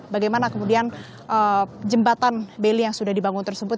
bagaimana kemudian jembatan beli yang sudah dibangun tersebut